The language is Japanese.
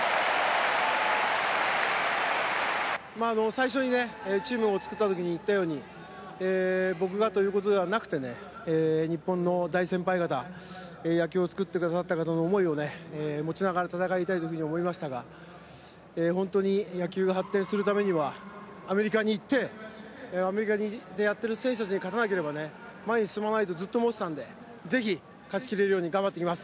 最初にチームを作ったときに言ったように僕がということではなくてね、日本の大先輩方、野球を作ってくださった方の思いを持ちながら戦いたいと思いましたが本当に野球が発展するためにはアメリカに行って、アメリカでやってる選手たちに勝たなければ前に進まないとずっと思ってたんでぜひ勝ちきれるように頑張ってきます。